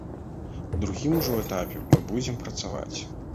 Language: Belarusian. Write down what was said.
У другім ужо этапе мы будзем працаваць.